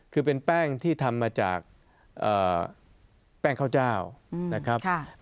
คือเป็นแป้งที่ทำมาจากแป้งข้าวเจ้านะครับ